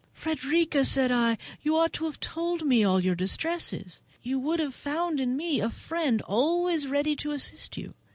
"Frederica" said I, "you ought to have told me all your distresses. You would have found in me a friend always ready to assist you.